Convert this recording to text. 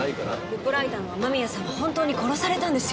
ルポライターの雨宮さんは本当に殺されたんですよ。